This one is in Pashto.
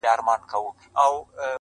هنر خاموش زر پرستي وه پکښې،